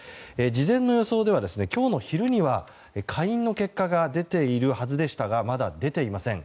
事前の予想では今日の昼には下院の結果が出ているはずでしたがまだ出ていません。